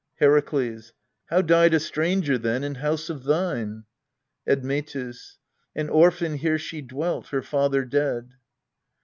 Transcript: Herakles. How died a stranger then in house of thine ? Admetus. An orphan here she dwelt, her father dead.